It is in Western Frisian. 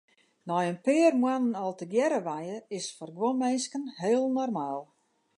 Nei in pear moannen al tegearre wenje is foar guon minsken heel normaal.